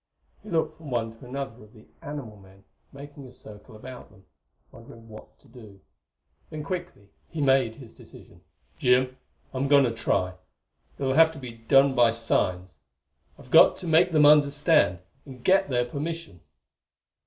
He looked from one to another of the animal men making a circle about them, wondering what to do; then quickly he made his decision. "Jim, I'm going to try. It'll have to be done by signs; I've got to make them understand, and get their permission."